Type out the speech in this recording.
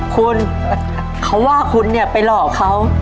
คุณเขาว่าคุณเนี่ยไปหลอกเขา